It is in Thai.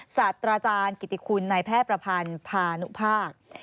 สัตว์อาจารย์กิติคุณนายแพทย์ประพันธ์พานุภาค